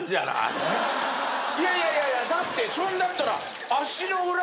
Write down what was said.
いやいやいやいやだってそれだったら。